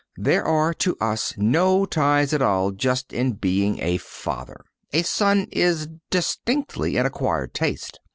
There are to us no ties at all just in being a father. A son is distinctly an acquired taste.